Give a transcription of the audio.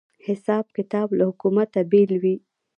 حساب کتاب له حکومته بېل وي